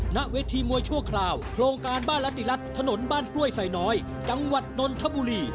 ณเวทีมวยชั่วคราวโครงการบ้านรัติรัฐถนนบ้านกล้วยไซน้อยจังหวัดนนทบุรี